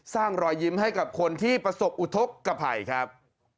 รอยยิ้มให้กับคนที่ประสบอุทธกภัยครับ